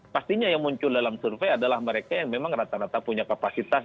pastinya yang muncul dalam survei adalah mereka yang memang rata rata punya kapasitas